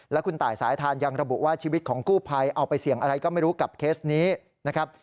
และคุณตายสายทานยังระบุว่าชีวิตของกู้ภัยเอาไปเสี่ยงอะไรก็ไม่รู้กับเคสนี้นะครับ